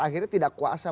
akhirnya tidak kuasa